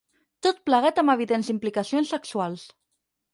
Tot plegat amb evidents implicacions sexuals.